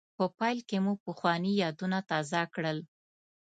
په پیل کې مو پخواني یادونه تازه کړل.